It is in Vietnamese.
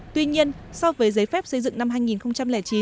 tuy nhiên so với giấy phép xây dựng năm hai nghìn chín